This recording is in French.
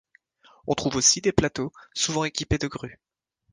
On trouve aussi des plateaux, souvent équipés de grues.